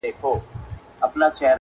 او مرکې ورسره کوي